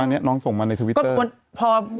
อันนี้น้องส่งมาในทวิต